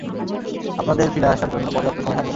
আপনাদের ফিরে আসার জন্য পর্যাপ্ত সময় থাকবে না।